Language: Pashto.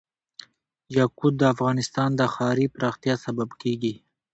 یاقوت د افغانستان د ښاري پراختیا سبب کېږي.